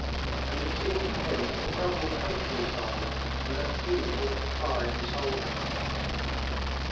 And it seemed to him that the problem could be solved, and that he ought to try and solve it.